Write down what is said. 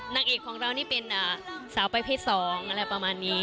นางเอกของเรานี่เป็นสาวประเภท๒อะไรประมาณนี้